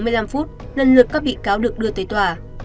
sáu giờ bốn mươi năm phút lần lượt các bị cáo được đưa tới tòa